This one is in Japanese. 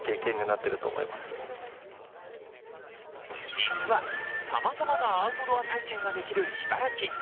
実はさまざまアウトドア体験ができる茨城。